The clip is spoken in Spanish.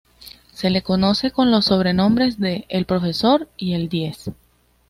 Se lo conoce con los sobrenombres de "El Profesor" y "El Diez".